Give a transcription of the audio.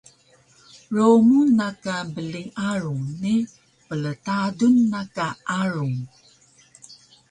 Lowmun na ka bling arung ni pltadun na ka arung